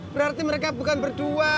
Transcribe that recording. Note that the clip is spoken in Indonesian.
berarti mereka bukan berdua